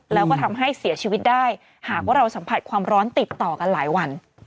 แล้วก็ทำให้เสียชีวิตได้หากว่าเราสัมผัสความร้อนติดต่อกันหลายวัน